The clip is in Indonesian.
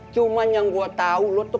cuman yang gua tau lu tuh